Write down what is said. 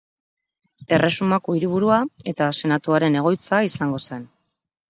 Erresumako hiriburua eta Senatuaren egoitza izango zen.